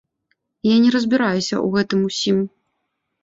Я не разбіраюся ў гэтым усім.